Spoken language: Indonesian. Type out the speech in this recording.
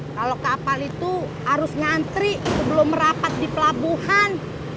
kalo kapal itu harus ngantri sebelum merapat di pelabuhan